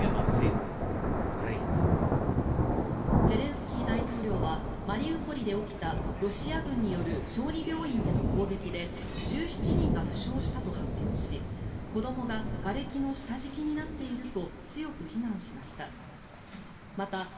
ゼレンスキー大統領はマリウポリで起きたロシア軍による小児病院への攻撃で１７人が負傷したと発表し子どもががれきの下敷きになっていると強く非難しました。